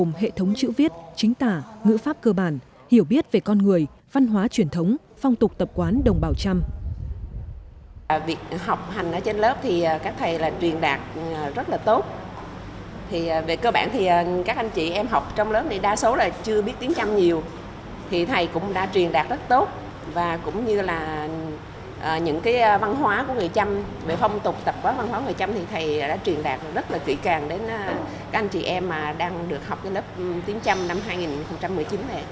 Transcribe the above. thì thầy cũng đã truyền đạt rất tốt và cũng như là những cái văn hóa của người trăm về phong tục tập văn hóa người trăm thì thầy đã truyền đạt rất là kỹ càng đến các anh chị em mà đang được học cái lớp tiếng trăm năm hai nghìn một mươi chín này